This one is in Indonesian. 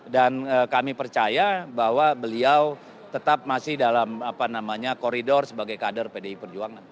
dan kami percaya bahwa beliau tetap masih dalam apa namanya koridor sebagai kader pdi perjuangan